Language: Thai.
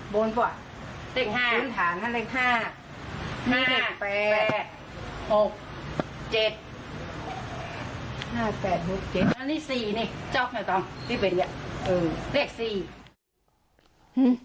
๕๘๖๗แล้วนี่๔เนี่ยจ๊อบหน่อยต้องที่เป็นเนี่ยเลข๔